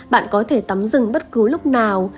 bạn có thể tắm rừng bất cứ lúc nào